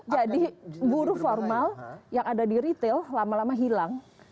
jadi buruh formal yang ada di retail lama lama hilang